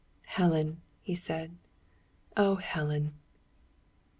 "Helen," he said; "Oh, Helen!"